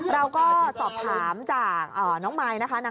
เราก็สอบถามจากน้องมายนะคะ